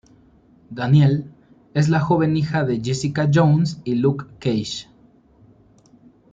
Danielle es la joven hija de Jessica Jones y Luke Cage.